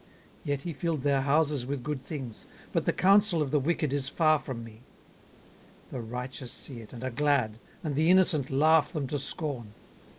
18:022:018 Yet he filled their houses with good things: but the counsel of the wicked is far from me. 18:022:019 The righteous see it, and are glad: and the innocent laugh them to scorn.